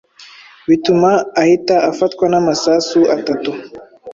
bituma ahita afatwa n’amasasu atatu.